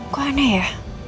kok aneh ya